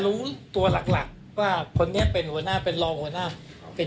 รู้ตัวหลักหลักว่าคนนี้เป็นหัวหน้าเป็นรองหัวหน้าอ๋อเป็น